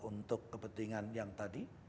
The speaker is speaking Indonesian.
untuk kepentingan yang tadi